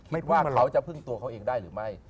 ว่าเขาจะพึ่งตัวเขาเองได้หรือไม่